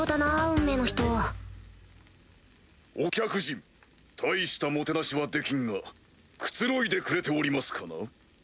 運命の人お客人大したもてなしはできんがくつろいでくれておりますかな？